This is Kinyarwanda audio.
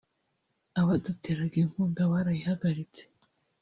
abaduteraga inkunga barayihagaritse